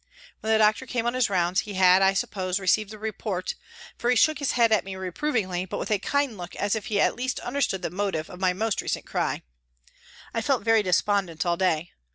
When the doctor came on his rounds he had, I suppose, received the " report," for he shook his head at me reprovingly but with a kind look as if he at least understood the motive of my most recent crime. I felt very despondent all day.